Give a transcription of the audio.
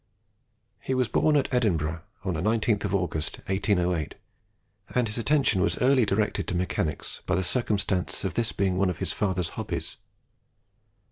He was born at Edinburgh, on the 19th of August, 1808; and his attention was early directed to mechanics by the circumstance of this being one of his father's hobbies.